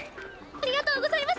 ありがとうございます！